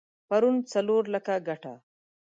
پرون څلور لکه ګټه؛